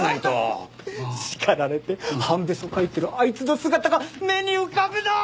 叱られて半べそかいてるあいつの姿が目に浮かぶなあ。